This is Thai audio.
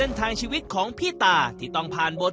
การที่บูชาเทพสามองค์มันทำให้ร้านประสบความสำเร็จ